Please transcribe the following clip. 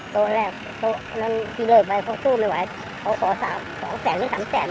โต๊ะแรกที่เลยไปอีกอยู่ค่อย